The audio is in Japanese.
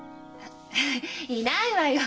いないわよ。